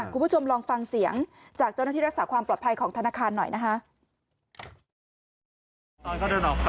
คุณผู้ชมลองฟังเสียงจากเจ้าหน้าที่รักษาความปลอดภัยของธนาคารหน่อยนะคะ